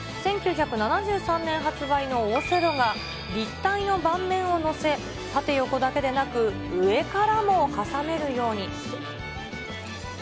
１９７３年発売のオセロが、立体の盤面を載せ、縦横だけでなく、上からも挟めるように。